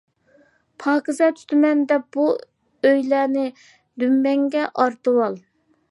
پاكىز تۇتىمەن، دەپ بۇ ئۆيلەرنى دۈمبەڭگە ئارتىۋال!